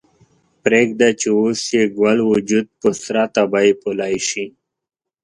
پریږده چې اوس یې ګل وجود په سره تبۍ پولۍ شي